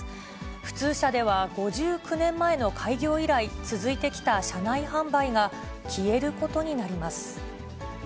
普通車では５９年前の開業以来、続いてきた車内販売が消えることになります。